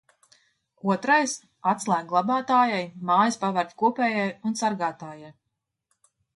Otrais: atslēgu glabātājai, mājas pavarda kopējai un sargātājai.